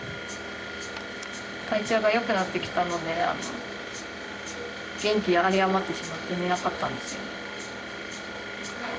体調が良くなってきたので元気が有り余ってしまって寝なかったんですよ。